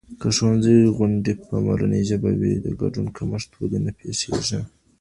که د ښوونځي غونډې په مورنۍ ژبه وي د ګډون کمښت ولې نه پېښېږي؟